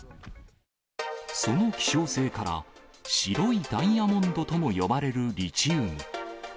その希少性から、白いダイヤモンドとも呼ばれるリチウム。